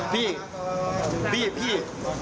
พี่พี่